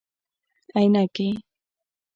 👓 عینکي